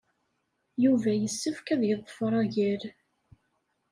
Yuba yessefk ad yeḍfer agal.